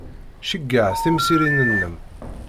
Cegger timsirin-nnem.